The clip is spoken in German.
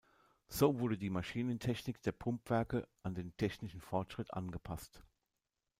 So wurde die Maschinentechnik der Pumpwerke an den technischen Fortschritt angepasst.